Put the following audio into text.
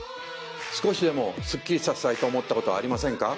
少しでもスッキリさせたいと思ったことはありませんか